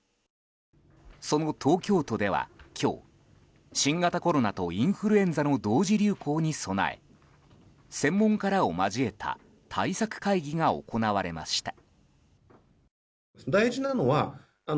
その東京都では今日新型コロナとインフルエンザの同時流行に備え専門家らを交えた対策会議が行われました。